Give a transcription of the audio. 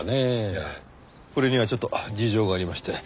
いやこれにはちょっと事情がありまして。